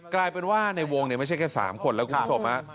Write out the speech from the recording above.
กลายเป็นว่าในวงไม่ใช่แค่๓คนแล้วคุณผู้ชม